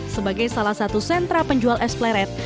sebagai salah satu sentra penjual es pleret